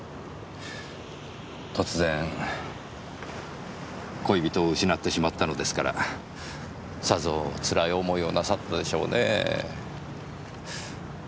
突然恋人を失ってしまったのですからさぞつらい思いをなさったでしょうねぇ。